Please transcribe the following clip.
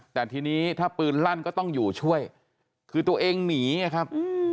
แต่ทีนี้ถ้าปืนลั่นก็ต้องอยู่ช่วยคือตัวเองหนีไงครับ